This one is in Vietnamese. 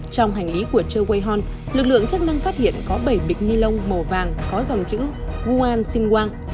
trong hành lý của choe wei hon lực lượng chức năng phát hiện có bảy bịch ni lông màu vàng có dòng chữ wuan xin wang